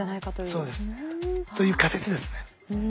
そうです。という仮説ですね。